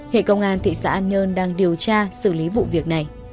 hệ công an thị xã an nhơn đang điều tra xử lý vụ việc này